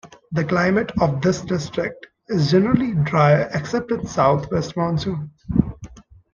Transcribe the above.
The climate of this district is generally dry except in south-west monsoon.